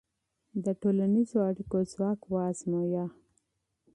د ټولنیزو اړیکو ځواک وازمویه.